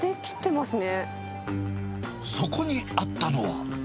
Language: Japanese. そこにあったのは。